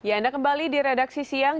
ya anda kembali di redaksi siang